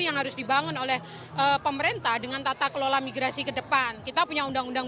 yang harus dibangun oleh pemerintah dengan tata kelola migrasi ke depan kita punya undang undang